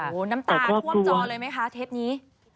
โอ้โหน้ำตาท่วมจอเลยไหมคะเทปนี้